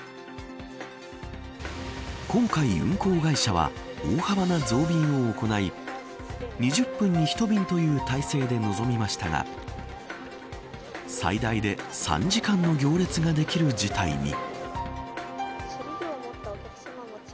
今回、運航会社は大幅な増便を行い２０分１便という体制で臨みましたが最大で３時間の行列ができる事態に。